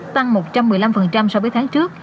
tăng một trăm một mươi năm so với tháng trước